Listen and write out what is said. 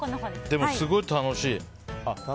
でも、すごい楽しい。